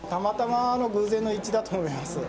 たまたまの偶然の一致だと思います。